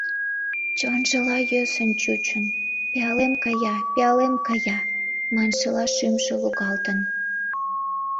Чонжылан йӧсын чучын — «пиалем кая, пиалем кая» маншыла шӱмжӧ лугалтын.